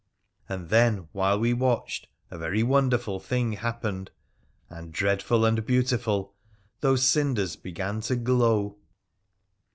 And then, while we watched, a very wonderful thing hap pened, and, dreadful and beautiful, those cinders began to glow.